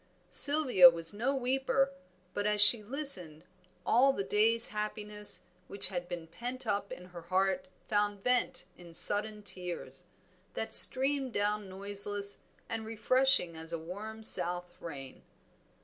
Sylvia was no weeper, but as she listened, all the day's happiness which had been pent up in her heart found vent in sudden tears, that streamed down noiseless and refreshing as a warm south rain.